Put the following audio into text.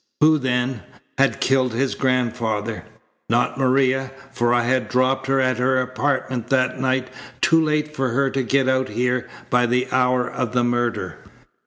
Who, then, had killed his grandfather? Not Maria, for I had dropped her at her apartment that night too late for her to get out here by the hour of the murder.